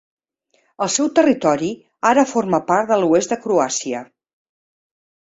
El seu territori ara forma part de l'oest de Croàcia.